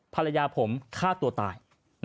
ภรรยาผมฆ่าตัวตาย